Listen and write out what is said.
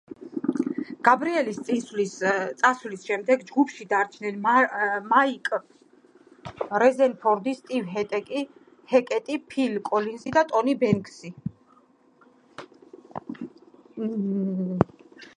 გებრიელის წასვლის შემდეგ, ჯგუფში დარჩნენ მაიკ რეზერფორდი, სტივ ჰეკეტი, ფილ კოლინზი და ტონი ბენქსი.